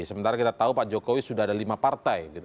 sementara kita tahu pak jokowi sudah ada lima partai gitu